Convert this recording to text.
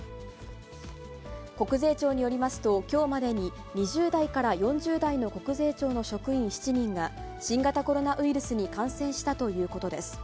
国税庁によりますと、きょうまでに２０代から４０代の国税庁の職員７人が、新型コロナウイルスに感染したということです。